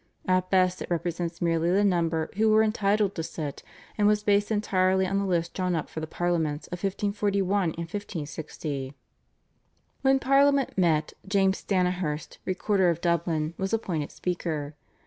At best it represents merely the number who were entitled to sit, and was based entirely on the list drawn up for the Parliaments of 1541 and 1560. When Parliament met James Stanihurst, Recorder of Dublin, was appointed speaker.